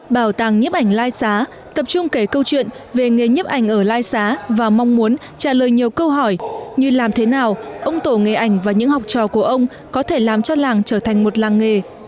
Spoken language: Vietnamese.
bảo tàng nhiếp ảnh lai xá tập trung kể câu chuyện về nghề nhếp ảnh ở lai xá và mong muốn trả lời nhiều câu hỏi như làm thế nào ông tổ nghề ảnh và những học trò của ông có thể làm cho làng trở thành một làng nghề